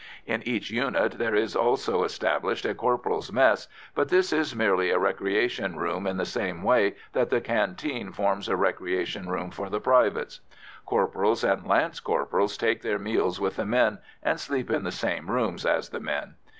In each unit there is also established a corporals' mess, but this is merely a recreation room in the same way that the canteen forms a recreation room for the privates. Corporals and lance corporals take their meals with the men and sleep in the same rooms as the men.